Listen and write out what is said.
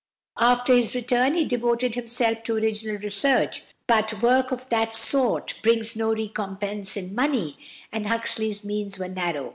After his return he devoted himself to original research; but work of that sort brings no recompense in money, and Huxley's means were narrow.